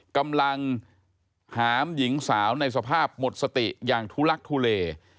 กำลังหามหญิงสาวในสภาพหมดสติอย่างทุลักทุเล